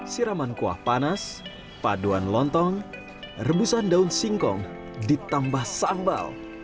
siraman kuah panas paduan lontong rebusan daun singkong ditambah sambal